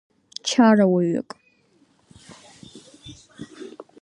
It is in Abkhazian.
Чарауаҩык.